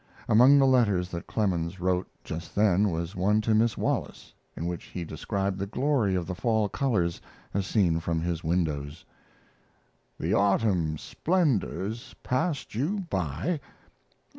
Among the letters that Clemens wrote just then was one to Miss Wallace, in which he described the glory of the fall colors as seen from his windows. The autumn splendors passed you by?